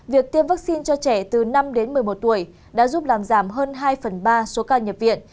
việc tiêm vaccine cho trẻ từ năm đến một mươi một tuổi đã giúp làm giảm hơn hai phần ba số ca nhập viện